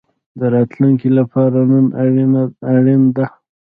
د راتلونکي لپاره نن اړین ده